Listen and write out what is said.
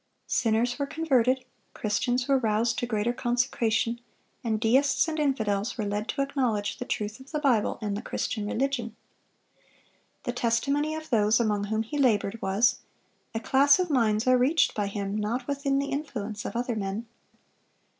Sinners were converted, Christians were roused to greater consecration, and deists and infidels were led to acknowledge the truth of the Bible and the Christian religion. The testimony of those among whom he labored was, "A class of minds are reached by him not within the influence of other men."